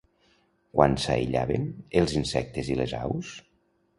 Quan s'aïllaven, els insectes i les aus?